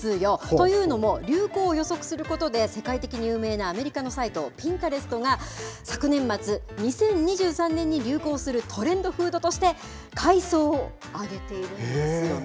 というのも、流行を予測することで、世界的に有名なアメリカのサイト、ピンタレストが、昨年末、２０２３年に流行するトレンドフードとして、海藻を挙げているんですよね。